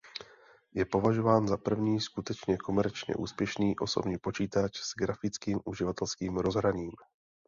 Je považován za první skutečně komerčně úspěšný osobní počítač s grafickým uživatelským rozhraním.